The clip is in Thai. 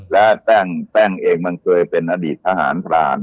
และแป้งเองมันเคยเป็นอดีตทหารพราน